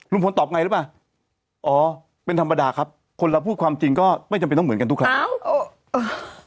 ตอบไงหรือเปล่าอ๋อเป็นธรรมดาครับคนเราพูดความจริงก็ไม่จำเป็นต้องเหมือนกันทุกครั้ง